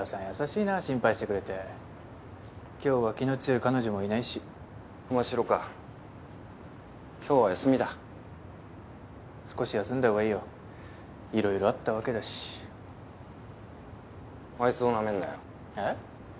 優しいなぁ心配してくれて今日は気の強い彼女もいないし神代か今日は休みだ少し休んだほうがいいよいろいろあったわけだしあいつをなめんなよえっ？